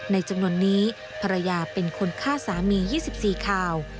ในจำนวนนี้ภรรยาเป็นคนฆ่าสามี๒๔ข่าว